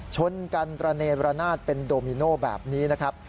ชนกันตระเนรนาศเป็นโดมิโน่แบบนี้นะครับ